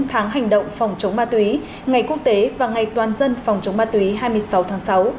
năm tháng hành động phòng chống ma túy ngày quốc tế và ngày toàn dân phòng chống ma túy hai mươi sáu tháng sáu